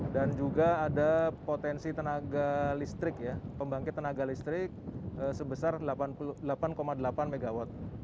juga ada potensi tenaga listrik ya pembangkit tenaga listrik sebesar delapan delapan mw